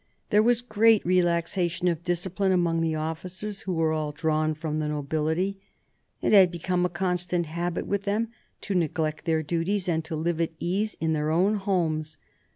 There was great relaxation of discipline among the officers, who were all drawn from the nobility. It had become a constant habit with them to neglect their duties and to live at ease in their own homes.